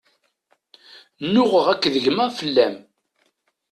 Nuɣeɣ akked gma fell-am.